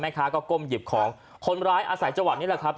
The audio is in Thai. ค้าก็ก้มหยิบของคนร้ายอาศัยจังหวัดนี้แหละครับ